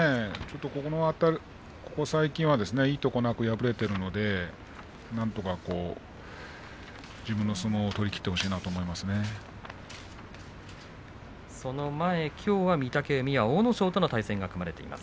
ここ最近はいいとこなく敗れているのでなんとか自分の相撲をその前きょうは御嶽海には阿武咲との、対戦が組まれています。